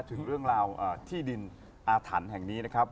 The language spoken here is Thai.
ถึงเรื่องราวที่ดินอาถรรพ์แห่งนี้นะครับ